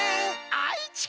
愛知県！？